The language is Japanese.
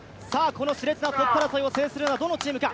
このしれつなトップ争いを制するのはどのチームか。